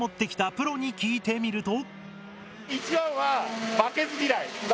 プロに聞いてみると。